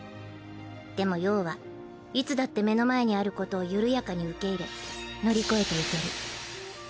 でも葉はいつだって目の前にあることを緩やかに受け入れ乗り越えていける。